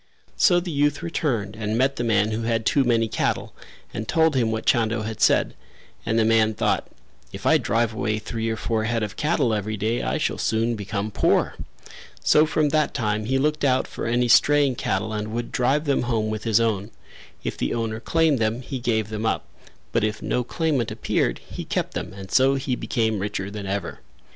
So the youth returned and met the man who had too many cattle and told him what Chando had said, and the man thought "If I drive away three or four head of cattle every day I shall soon become poor" so from that time he looked out for any straying cattle and would drive them home with his own; if the owner claimed them, he gave them up, but if no claimant appeared, he kept them and so he became richer than ever.